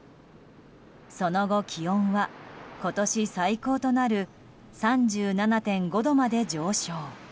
その後、気温は今年最高となる３７．５度まで上昇。